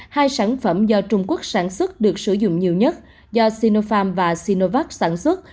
hai sản phẩm do trung quốc sản xuất được sử dụng nhiều nhất do sinopharm và sinovac sản xuất